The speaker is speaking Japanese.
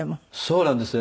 そうなんですよ。